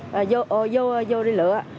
vô đi lựa